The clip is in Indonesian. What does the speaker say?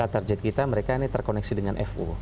target kita mereka ini terkoneksi dengan fo